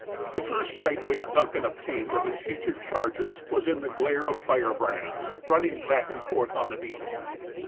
The first sight which Duncan obtained of his future charges was in the glare of firebrands, running back and forth on the beach.